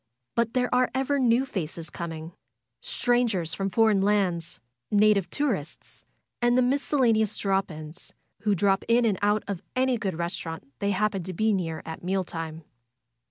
But there are ever new faces coming; strangers from foreign lands, native tourists, and the miscellaneous drop ins, who drop in and out of any good restaurant they happen to be near at meal time.